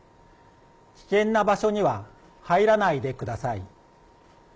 危険な場所には入らないでください。